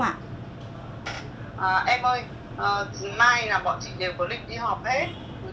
em ơi nay là bọn chị đều có lịch đi họp hết